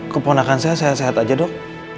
keponakan saya sehat sehat aja dok